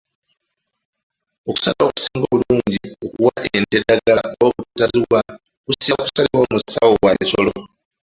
Okusalawo okusinga obulungi ku kuwa ente eddagala oba obutaziwa kusinga kusalibwawo musawo wa bisolo.